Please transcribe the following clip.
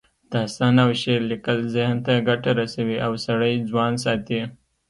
داستان او شعر لیکل ذهن ته ګټه رسوي او سړی ځوان ساتي